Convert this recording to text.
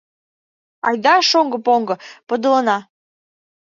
Айда, шоҥго поҥго, подылына.